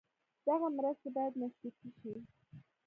دغه مرستې باید مشروطې شي.